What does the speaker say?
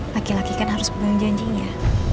lagi lagi kan harus pegang janjinya